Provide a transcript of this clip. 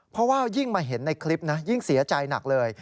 เพราะว่ายิ่งมาเห็นในคลิปนะยิ่งเสียใจหนักเลย